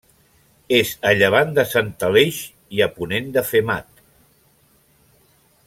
És a llevant de Sant Aleix i a ponent de Femat.